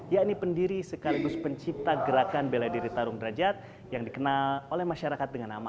yakni pendiri sekaligus pencipta gerakan bela diri tarung derajat yang dikenal oleh masyarakat dengan aman